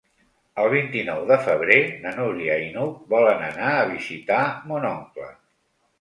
El vint-i-nou de febrer na Núria i n'Hug volen anar a visitar mon oncle.